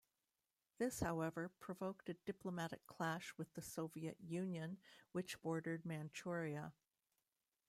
This, however, provoked a diplomatic clash with the Soviet Union, which bordered Manchuria.